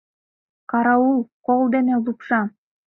Караул, кол дене лупша!